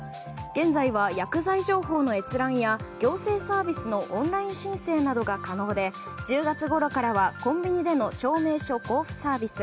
現在は薬剤情報の閲覧や行政サービスのオンライン申請などが可能で１０月ごろからはコンビニでの証明書交付サービス